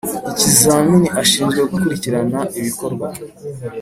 Ikizamini ashinzwe gukurikirana ibikorwa